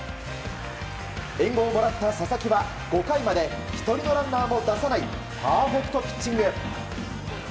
援護をもらった佐々木は５回まで１人のランナーを出さないパーフェクトピッチング。